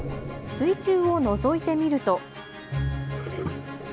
水中をのぞいてみると。